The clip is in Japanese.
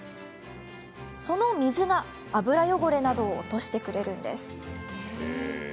その水が油汚れなどを落としてくれるんです。